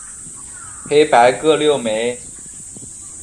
黑白各六枚。